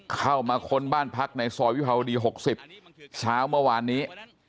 ค้นบ้านพักในซอยวิภาวดี๖๐เช้าเมื่อวานนี้